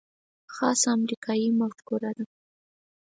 خاصه امریکايي مفکوره ده.